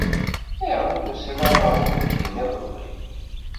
Ayɣer ur d-tusiḍ ara ɣer uxeddim iḍelli?